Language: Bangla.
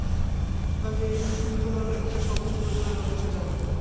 কাজেই শূন্য নলের ভেতর শব্দ পরিচালনার ব্যাপার সে জানত।